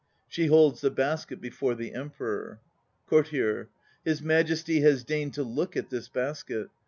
(She holds the basket before the EMPEROR.) COURTIER. His Majesty has deigned to look at this basket.